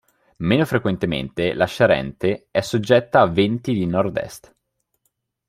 Meno frequentemente la Charente è soggetta a venti di nord-est.